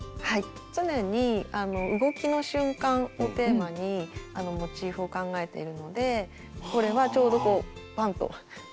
常に「動きの瞬間」をテーマにモチーフを考えているのでこれはちょうどこうパンと打ったところです。